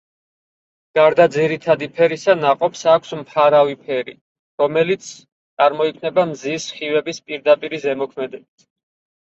გარდა ძირითადი ფერისა, ნაყოფს აქვს მფარავი ფერი, რომელიც წარმოიქმნება მზის სხივების პირდაპირი ზემოქმედებით.